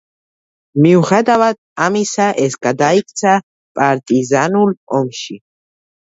მიუხედავად ამისა, ეს გადაიქცა პარტიზანულ ომში.